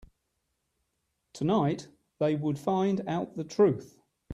Tonight, they would find out the truth.